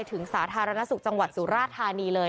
ถึงสาธารณสุขจังหวัดสุราษฎร์นี้เลย